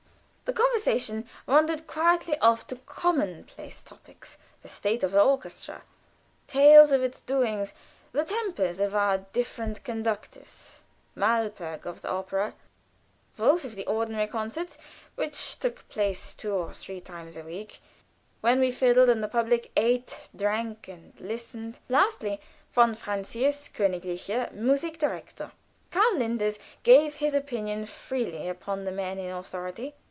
The conversation wandered quietly off to commonplace topics the state of the orchestra; tales of its doings; the tempers of our different conductors Malperg of the opera; Woelff of the ordinary concerts, which took place two or three times a week, when we fiddled and the public ate, drank, and listened; lastly, von Francius, königlicher Musik direktor. Karl Linders gave his opinion freely upon the men in authority.